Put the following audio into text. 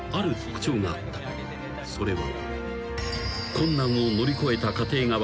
［それは］